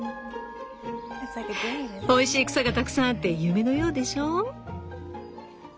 おいしい草がたくさんあって夢のようでしょう？